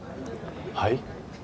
はい？